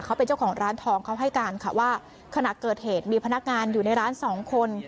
เขาเป็นเจ้าของร้านทองเขาให้การค่ะว่าขณะเกิดเหตุมีพนักงานอยู่ในร้านสองคน